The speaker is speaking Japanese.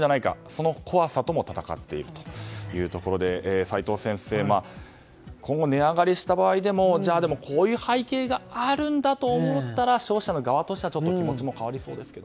その怖さとも戦っているというところで齋藤先生、値上がりした場合でもこうした背景があるとなると消費者の側としては気持ちも変わりそうですよね。